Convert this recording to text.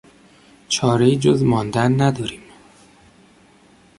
چارهای جز ماندن نداریم.